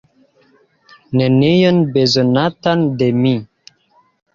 Nenion bezonatan de mi.